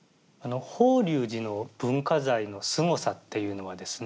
法隆寺の文化財のすごさっていうのはですね